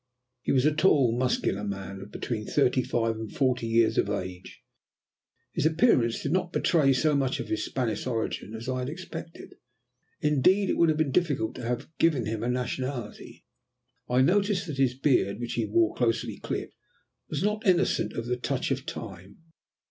He was a tall, muscular man of between thirty five and forty years of age. His appearance did not betray so much of his Spanish origin as I had expected. Indeed, it would have been difficult to have given him a nationality. I noticed that his beard, which he wore closely clipped, was not innocent of the touch of Time.